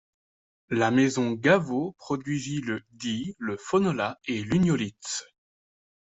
La maison Gaveau produisit le Dea, le Phonola et l'Uniolitz.